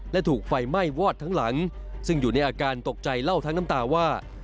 และถูกไฟไหม้วอดทั้งหลังซึ่งอยู่ในอาการตกใจเล่าทั้งน้ำตาว่า